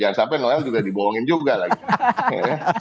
jangan sampai nelayan juga dibohongin juga lagi